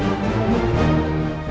aku akan menang